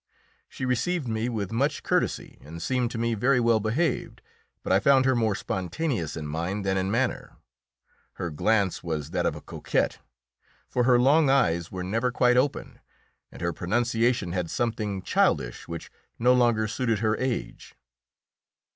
She received me with much courtesy, and seemed to me very well behaved, but I found her more spontaneous in mind than in manner: her glance was that of a coquette, for her long eyes were never quite open, and her pronunciation had something childish which no longer suited her age.